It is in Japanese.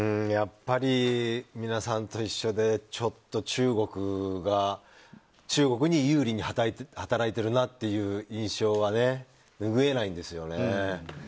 やっぱり、皆さんと一緒でちょっと中国に有利に働いてるなという印象は拭えないんですよね。